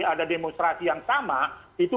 ada demonstrasi yang sama itu